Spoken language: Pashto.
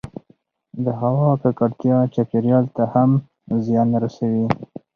د هـوا کـکړتـيا چاپـېريال ته هم زيان رسـوي